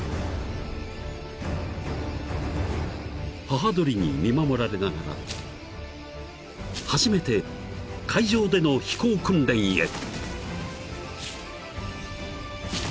［母鳥に見守られながら初めて海上での飛行訓練へ］